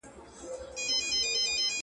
پانګونه باید په مستقیم ډول وسي.